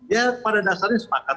ya pada dasarnya sepakat